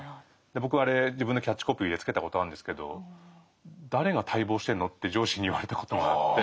僕はあれ自分でキャッチコピーつけたことあるんですけど「誰が待望してるの？」って上司に言われたことがあって。